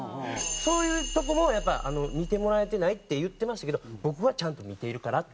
そういうとこもやっぱ見てもらえてないって言ってましたけど僕はちゃんと見ているからって。